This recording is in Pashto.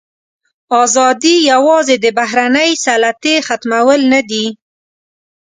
ازادي یوازې د بهرنۍ سلطې ختمول نه دي.